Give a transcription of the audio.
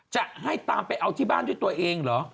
จะให้ตามไปเอาที่บ้านด้วยตัวเองเหรอ